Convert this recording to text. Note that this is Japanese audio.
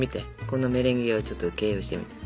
このメレンゲをちょっと形容してみて。